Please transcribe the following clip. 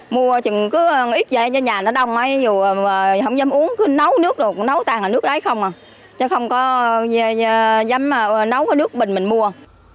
mua chừng cứ ít về nhà nó đông ấy không dám uống cứ nấu nước rồi nấu tàn là nước đấy không à chứ không có dám nấu cái nước bình mình mua